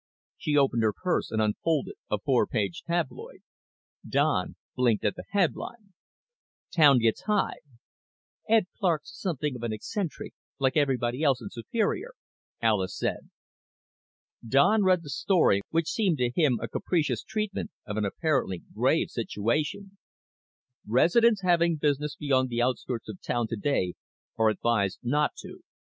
She opened her purse and unfolded a four page tabloid. Don blinked at the headline: TOWN GETS HIGH "Ed Clark's something of an eccentric, like everybody else in Superior," Alis said. Don read the story, which seemed to him a capricious treatment of an apparently grave situation. _Residents having business beyond the outskirts of town today are advised not to.